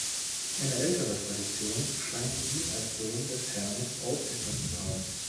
Eine ältere Tradition scheint ihn als Sohn des Hermes aufgefasst zu haben.